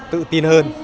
tự tin hơn